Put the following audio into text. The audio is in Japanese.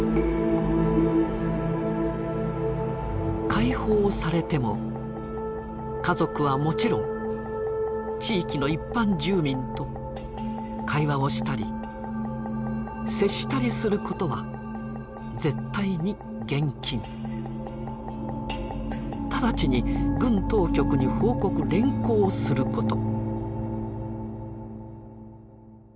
「解放されても家族は勿論地域の一般住民と会話をしたり接したりすることは絶対に厳禁直ちに軍当局に報告連行すること」。